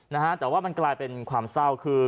นะฮะแต่ว่ามันกลายเป็นความเศร้าคือ